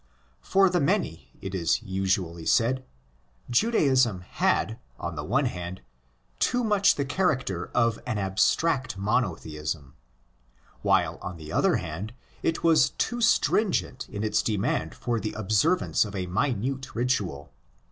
For the many, it is usually said, Judaism had, on the one hand, too much the character of an abstract monotheism; while, on the other hand, it was too stringent in its demand for the observance of a minute ritual.